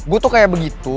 gue tuh kayak begitu